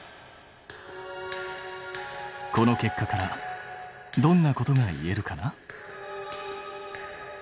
この結果からどんなことがいえるかな？